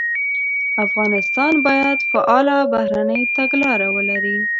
افغانستان باید فعاله بهرنۍ تګلاره ولري.